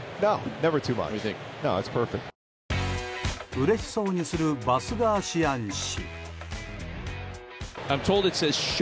うれしそうにするバスガーシアン氏。